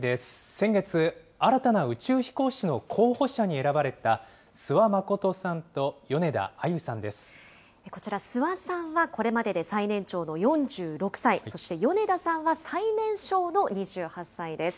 先月、新たな宇宙飛行士の候補者に選ばれた諏訪理さんと米田あゆさんでこちら、諏訪さんはこれまでで最年長の４６歳、そして米田さんは最年少の２８歳です。